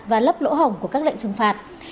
và lấp lỗ hỏng của các lệnh trừng phạt